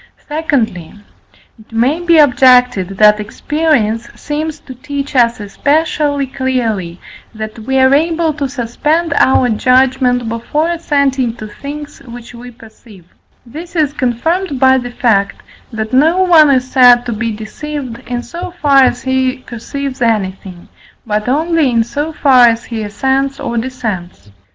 Secondly, it may be objected that experience seems to teach us especially clearly, that we are able to suspend our judgment before assenting to things which we perceive; this is confirmed by the fact that no one is said to be deceived, in so far as he perceives anything, but only in so far as he assents or dissents.